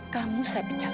kamu saya pecat